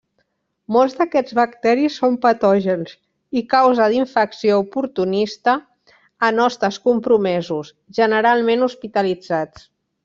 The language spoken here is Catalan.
Molts d'aquests bacteris són patògens i causa d'infecció oportunista en hostes compromesos, generalment hospitalitzats.